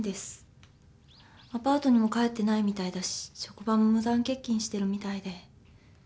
アパートにも帰ってないみたいだし職場も無断欠勤してるみたいで。